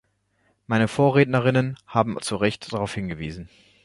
Meine Vorrednerinnen haben zu Recht darauf hingewiesen.